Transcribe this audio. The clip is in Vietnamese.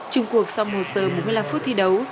trung cuộc sau một giờ bốn mươi năm phút thi đấu